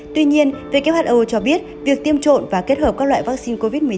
tuy nhiên who cho biết việc tiêm trộn và kết hợp các loại vaccine covid một mươi chín